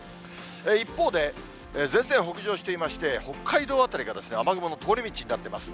一方で、前線、北上していまして、北海道辺りが雨雲の通り道になっています。